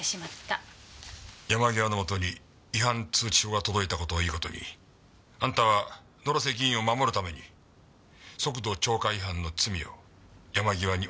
山際のもとに違反通知書が届いた事をいい事にあんたは野呂瀬議員を守るために速度超過違反の罪を山際に押しつけようとした。